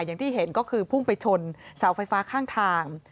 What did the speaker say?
อย่างที่เห็นก็คือพุ่งไปชนเสาไฟฟ้าข้างทาง